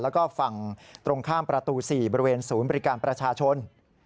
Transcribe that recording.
แล้วก็ฝั่งตรงข้ามประตู๔บริเวณศูนย์บริการประชาชน